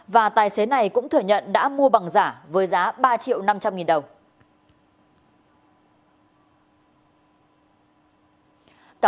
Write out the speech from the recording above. và tài xế này cũng thừa nhận đã mua bằng giả với giá ba triệu năm trăm linh nghìn đồng